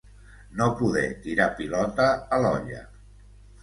No poder tirar pilota a l'olla.